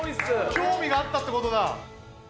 興味があったってことだ。